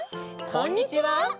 こんにちは！